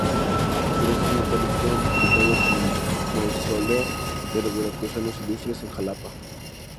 Sus restos mortales fueron sepultados en el Mausoleo de los Veracruzanos Ilustres, en Xalapa.